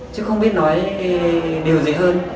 chứ không biết nói điều gì hơn